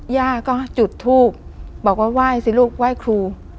ย่าก็จุดทูบบอกว่าว่ายสิลูกว่ายครู